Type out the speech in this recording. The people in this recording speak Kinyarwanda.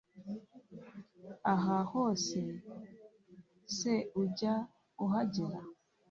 Aho hose se ujya uhagera